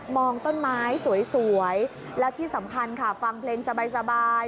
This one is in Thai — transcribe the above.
งต้นไม้สวยแล้วที่สำคัญค่ะฟังเพลงสบาย